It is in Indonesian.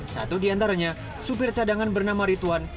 satu di antaranya supir cadangan bernama rituan